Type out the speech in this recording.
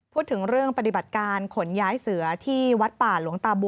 พูดถึงเรื่องปฏิบัติการขนย้ายเสือที่วัดป่าหลวงตาบัว